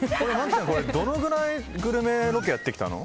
どのぐらいグルメロケやってきたの？